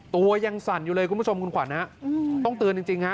ตัวยังสั่นอยู่เลยคุณผู้ชมคุณขวัญฮะต้องเตือนจริงฮะ